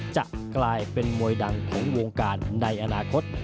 จะกลายเป็นมวยดังของวงการในอนาคต